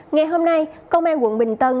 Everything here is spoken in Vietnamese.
ngày hôm nay công an quận bình tân